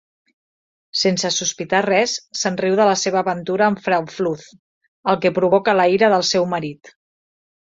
Sense sospitar res, se'n riu de la seva aventura amb Frau Fluth, el que provoca la ira del seu marit.